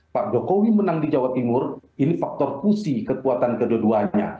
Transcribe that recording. pak jokowi menang di jawa timur ini faktor kusi kekuatan keduanya